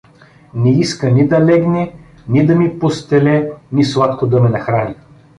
Не иска ни да легне, ни да ми постеле, ни сладко да ме нахрани.